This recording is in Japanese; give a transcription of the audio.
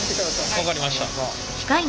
分かりました。